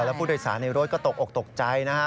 และผู้โดยศาลที่รถก็ตกออกตกใจนะครับ